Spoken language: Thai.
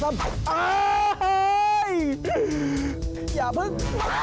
อ้าวอย่าเพิ่ง